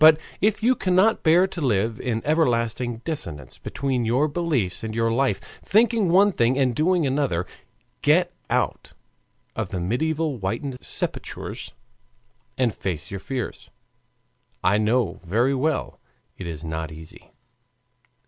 But if you cannot bear to live in everlasting dissonance between your beliefs and your life, thinking one thing and doing another, get out of the mediaeval whited sepulchers, and face your fears. I know very well it is not easy.